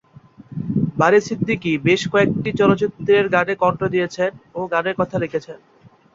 বারী সিদ্দিকী বেশ কয়েকটি চলচ্চিত্রের গানে কণ্ঠ দিয়েছেন ও গানের কথা লিখেছেন।